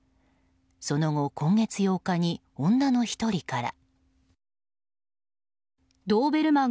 その後、今月８日に女の１人から。